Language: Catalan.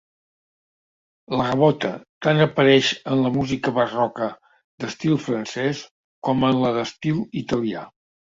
La gavota tant apareix en la música barroca d'estil francès com en la d'estil italià.